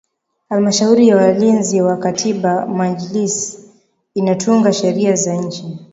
Halmashauri ya Walinzi wa Katiba Majlis inatunga sheria za nchi